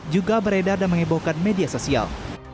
juga beredar dan mengebohkan media sosial